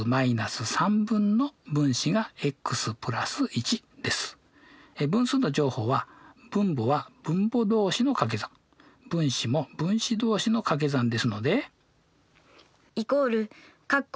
１問目は分数の乗法は分母は分母同士のかけ算分子も分子同士のかけ算ですので。